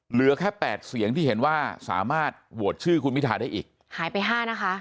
เหลือแค่แปดเสียงที่เห็นว่าสามารถโหวตชื่อคุณพิทาได้อีกหายไปห้านะคะ